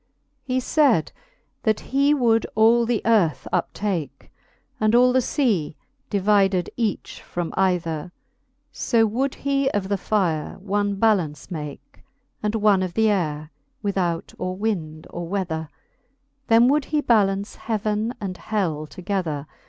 XXXI. He fayd, that he would all the earth uptake, And all the fea, devided each from either : So would he of the fire one ballance make, And one of th'ayre, without or wind, or wether : Then would he ballance heaven and hell together.